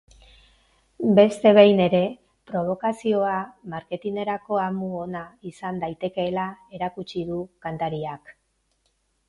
Beste behin ere, probokazioa marketinerako amu ona izan daitekeela erakutsi du kantariak.